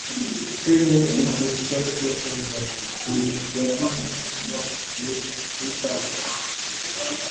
Her namesake is family friend and famed Brazilian rock legend Rita Lee.